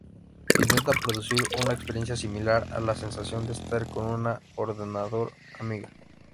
Intenta producir una experiencia similar a la sensación de estar con un ordenador Amiga.